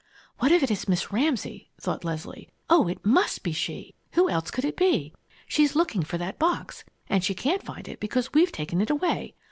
"What if it is Miss Ramsay?" thought Leslie. "Oh, it must be she! Who else could it be? She's looking for that box, and she can't find it because we've taken it away.